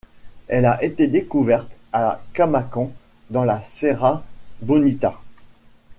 Elle a été découverte à Camacan dans la Serra Bonita.